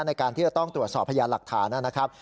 ในการที่จะต้องตรวจสอบพยานหลักฐานนะครับ